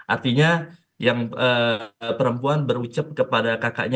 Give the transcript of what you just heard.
artinya yang perempuan berucap kepada kakaknya